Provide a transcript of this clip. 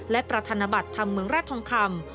และประธานบัตรธรรมเมืองแร่ทองคำ